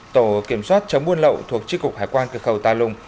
tổ kiểm soát chống buôn lậu thuộc tri cục hải quan cực khẩu ta lùng